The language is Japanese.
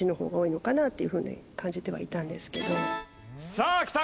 さあきた！